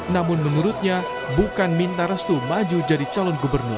namun menurutnya bukan minta restu maju jadi calon gubernur